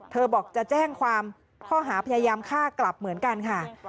บอกจะแจ้งความข้อหาพยายามฆ่ากลับเหมือนกันค่ะ